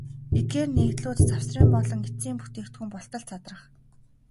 Эдгээр нэгдлүүд завсрын болон эцсийн бүтээгдэхүүн болтол задрах.